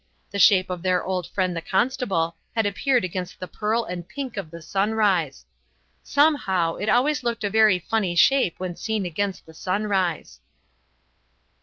The shape of their old friend the constable had appeared against the pearl and pink of the sunrise. Somehow, it always looked a very funny shape when seen against the sunrise.